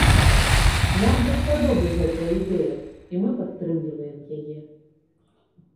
Нам даспадобы гэтая ідэя, і мы падтрымліваем яе.